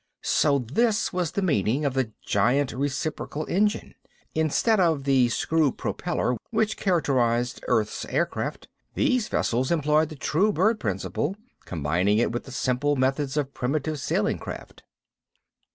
So this was the meaning of the giant reciprocal engine! Instead of the screw propeller which characterized earth's aircraft, these vessels employed the true bird principle, combining it with the simple methods of primitive sailing craft.